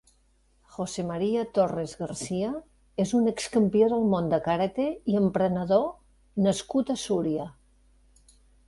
José María Torres García és un excampió del món de karate i emprenedor nascut a Súria.